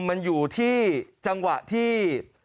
มันอยู่ที่จังหวะที่